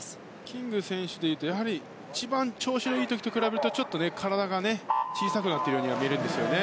キング選手でいうと一番調子のいい時と比べるとちょっと体が小さくなっているように見えるんですよね。